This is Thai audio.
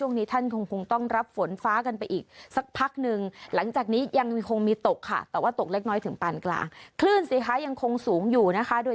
แว่ง๒เมตรก็เริ่มไปเดือนด้วยความระมัดระหว่างกันด้วย